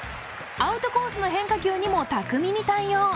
アウトコースの変化球にも巧みに対応。